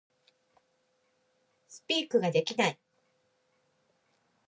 Speak ができない